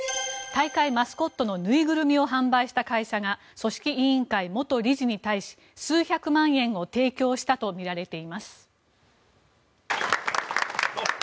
大会マスコットの縫いぐるみを販売した会社が組織委員会元理事に対し数百万円を提供したとみられています。